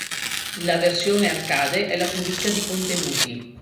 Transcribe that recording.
La versione arcade è la più ricca di contenuti.